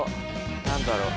何だろう？